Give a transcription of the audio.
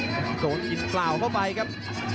โตอิทธิ์ฟราวเข้าไปครับ